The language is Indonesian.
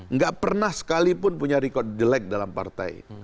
nggak pernah sekalipun punya record jelek dalam partai